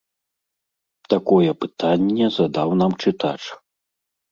Такое пытанне задаў нам чытач.